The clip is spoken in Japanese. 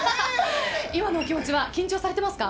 今のお気持ちは緊張されていますか？